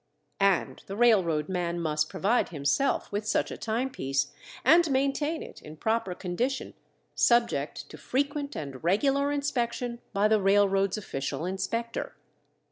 And the railroad man must provide himself with such a timepiece and maintain it in proper condition, subject to frequent and regular inspection by the railroad's official inspector.